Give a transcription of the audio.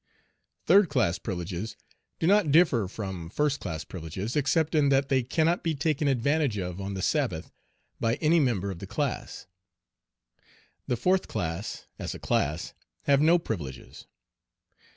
"Third class privileges" do not differ from "first class privileges," except in that they cannot be taken advantage of on the Sabbath by any member of the class. The fourth class as a class have no privileges.